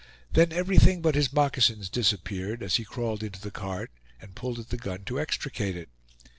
Then everything but his moccasins disappeared as he crawled into the cart and pulled at the gun to extricate it.